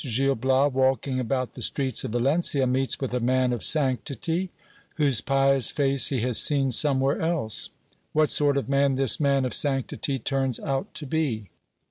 — Gil Bias, walking about the streets of Valencia, meets with a man of sanctity, whose pious face he has seen somezvhere else. What sort of man this man of sanctity turns out to be.